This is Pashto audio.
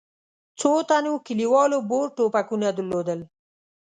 څو تنو کلیوالو بور ټوپکونه درلودل.